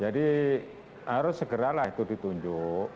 jadi harus segeralah itu ditunjuk